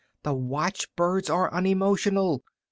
The watchbirds are unemotional.